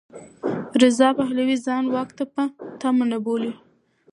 رضا پهلوي ځان واک ته په تمه نه بولي.